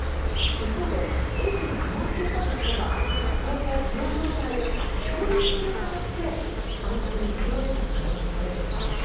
一方でエンジンが止まっていたとすれば航行不能状態で漂流する形で暗礁に乗り上げた可能性も出てきます。